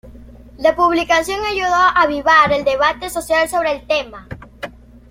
La publicación ayudó a avivar el debate social sobre el tema.